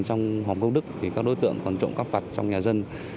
trong hòm công đức thì các đối tượng còn trộm cắp vặt trong nhà dân